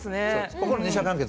ここの二者関係